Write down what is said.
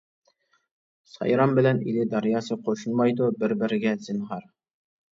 سايرام بىلەن ئېلى دەرياسى، قوشۇلمايدۇ بىر بىرگە زىنھار.